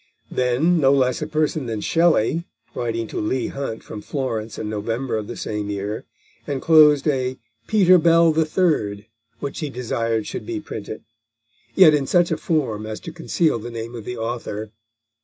Then, no less a person than Shelley, writing to Leigh Hunt from Florence in November of the same year, enclosed a Peter Bell the Third which he desired should be printed, yet in such a form as to conceal the name of the author.